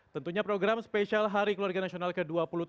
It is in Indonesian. tentunya program spesial hari keluarga nasional ke dua puluh tujuh